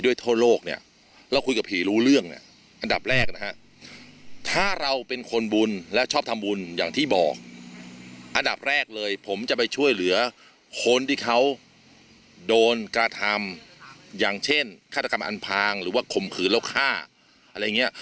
อย่างเช่นฆาตกรรมอันพางหรือว่าคมขืนแล้วฆ่าอะไรอย่างนี้